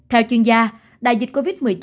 theo chuyên gia đại dịch covid một mươi chín